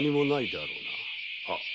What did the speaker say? はっ。